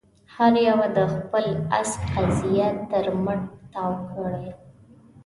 هر يوه د خپل آس قيضه تر مټ تاو کړه.